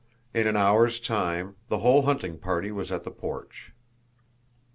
In an hour's time the whole hunting party was at the porch.